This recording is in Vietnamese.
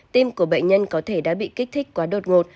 tim của bệnh nhân có thể đã bị kích thích quá đột ngột